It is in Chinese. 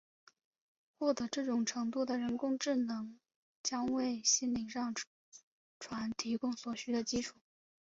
获得这种程度的人工智能将为心灵上传提供所需的基础。